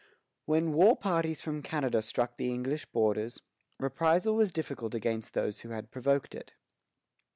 When war parties from Canada struck the English borders, reprisal was difficult against those who had provoked it.